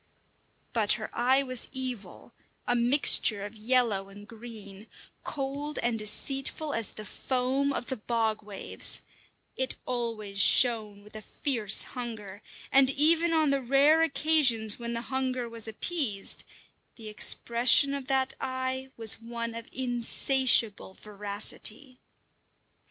But her eye was evil, a mixture of yellow and green, cold and deceitful as the foam of the bog waves; it always shone with a fierce hunger, and even on the rare occasions when the hunger was appeased, the expression of that eye was one of insatiable voracity.